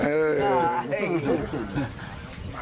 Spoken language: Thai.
เออ